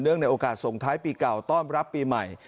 ในโอกาสส่งท้ายปีเก่าต้อนรับปีใหม่